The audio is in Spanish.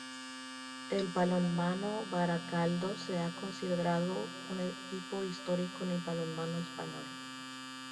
El Balonmano Barakaldo se ha considerado un equipo histórico en el balonmano Español.